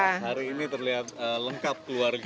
hari ini terlihat lengkap keluarga